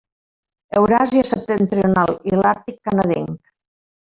Euràsia septentrional i l'Àrtic canadenc.